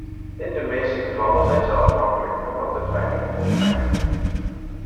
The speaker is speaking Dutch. In de meeste gevallen zijn ze afhankelijk van wat de veiling opbrengt.